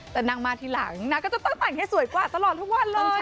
แต่นางมาทีหลังนางก็จะต้องแต่งให้สวยกว่าตลอดทุกวันเลย